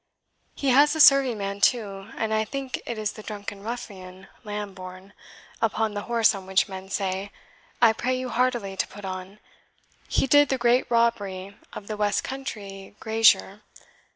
He has a serving man, too, and I think it is the drunken ruffian Lambourne! upon the horse on which men say (I pray you heartily to put on) he did the great robbery of the west country grazier.